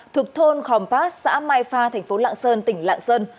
thuộc thôn khom pass xã mai pha tp lạng sơn tỉnh lạng sơn